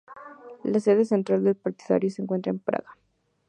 La sede central del partido se encuentra en Praga.